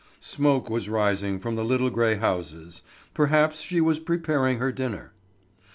Smoke was rising from the little grey houses; perhaps she was preparing her dinner.